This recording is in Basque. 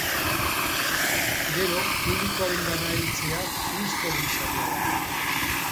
Gero publikoarengana heltzea kristoren saria da.